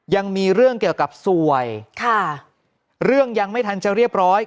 ยังมีเรื่องเกี่ยวกับสวยค่ะเรื่องยังไม่ทันจะเรียบร้อย